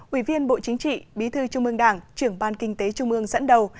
ủy viên bộ chính trị bí thư trung ương đảng trưởng ban kinh tế trung ương dẫn đầu